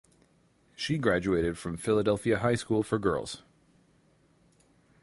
She graduated from Philadelphia High School for Girls.